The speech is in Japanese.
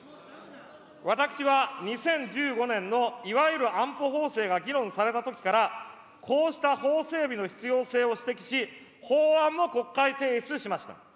私は２０１５年のいわゆる安保法制が議論されたときから、こうした法整備の必要性を指摘し、法案も国会提出しました。